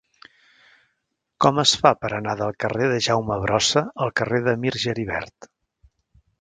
Com es fa per anar del carrer de Jaume Brossa al carrer de Mir Geribert?